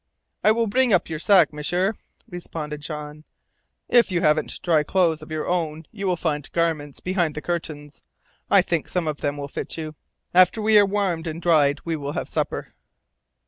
"I will bring up your sack, M'sieur," responded Jean. "If you haven't dry clothes of your own you will find garments behind the curtains. I think some of them will fit you. After we are warmed and dried we will have supper."